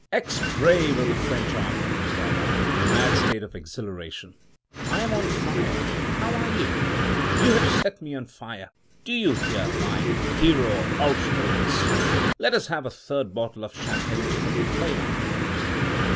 "Ex brave of the French Army!" cried I, in a mad state of exhilaration, "I am on fire! how are you? You have set me on fire! Do you hear, my hero of Austerlitz? Let us have a third bottle of Champagne to put the flame out!"